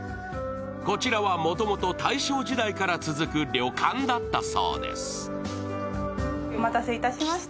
こちらはもともと大正時代から続く旅館だったそうです。